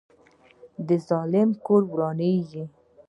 د ظالم کور ورانیږي